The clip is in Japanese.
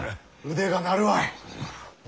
腕が鳴るわい！